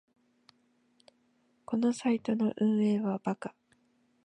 このサイトの運営はバカ